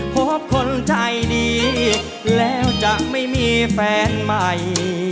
พบคนใจดีแล้วจะไม่มีแฟนใหม่